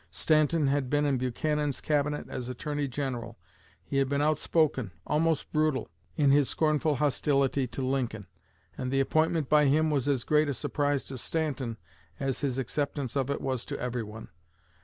Stanton had been in Buchanan's cabinet as Attorney General. He had been outspoken, almost brutal, in his scornful hostility to Lincoln, and the appointment by him was as great a surprise to Stanton as his acceptance of it was to everyone.